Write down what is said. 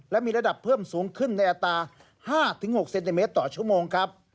และมีระดับเพิ่มสูงขึ้นในอัตรา๕๖เซนติเมตรต่อชั่วโมงครับ